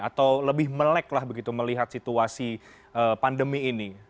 atau lebih melek lah begitu melihat situasi pandemi ini